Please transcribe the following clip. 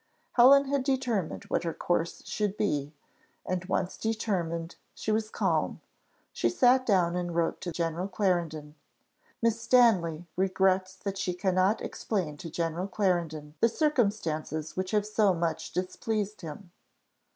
Helen had determined what her course should be, and, once determined, she was calm. She sat down and wrote to General Clarendon. "MISS STANLEY regrets that she cannot explain to General Clarendon the circumstances which have so much displeased him.